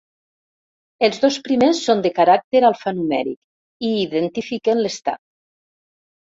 Els dos primers són de caràcter alfanumèric i identifiquen l'estat.